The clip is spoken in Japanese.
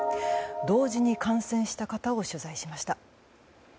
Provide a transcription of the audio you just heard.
同時に感染した方を取材しました。